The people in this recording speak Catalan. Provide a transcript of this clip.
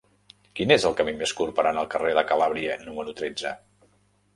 Quin és el camí més curt per anar al carrer de Calàbria número tretze?